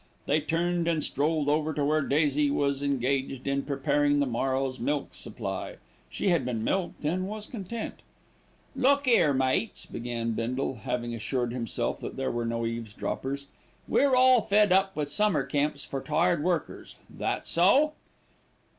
They turned and strolled over to where Daisy was engaged in preparing the morrow's milk supply. She had been milked and was content. "Look 'ere, mates," began Bindle, having assured himself that there were no eavesdroppers, "we're all fed up with Summer Camps for tired workers that so?"